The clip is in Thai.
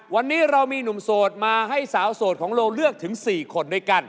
วันนี้เรามีหนุ่มโสดมาให้สาวโสดของเราเลือกถึง๔คนด้วยกัน